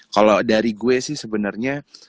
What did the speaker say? kalau dari gue sih sebenarnya